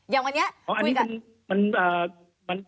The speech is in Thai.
อย่างวันนี้ขอคุยกัน